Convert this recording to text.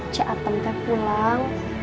ci atem teh pulang